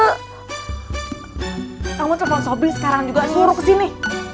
kamu telepon sobil sekarang juga suruh ke sini